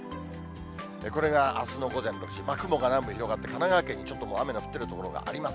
これが、あすの午前６時、雲が南部に広がって、神奈川県にちょっと雨の降ってる所があります。